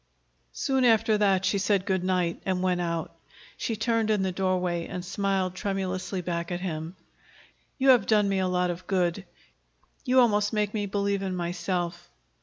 Soon after that she said good night and went out. She turned in the doorway and smiled tremulously back at him. "You have done me a lot of good. You almost make me believe in myself."